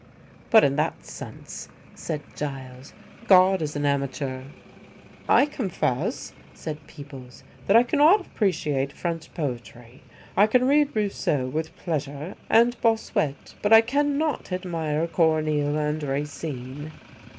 "But in that sense," said Giles, "God is an amateur." "I confess," said Peebles, "that I cannot appreciate French poetry. I can read Rousseau with pleasure, and Bossuet; but I cannot admire Corneille and Racine."